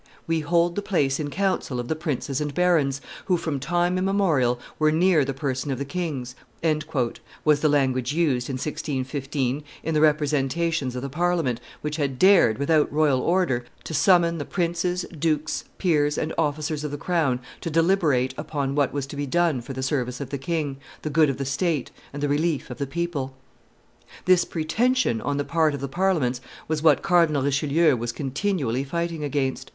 "We hold the place in council of the princes and barons, who from time immemorial were near the person of the kings," was the language used, in 1615, in the representations of the Parliament, which had dared, without the royal order, to summon the princes, dukes, peers, and officers of the crown to deliberate upon what was to be done for the service of the king, the good of the state, and the relief of the people. This pretension on the part of the parliaments was what Cardinal Richelieu was continually fighting against.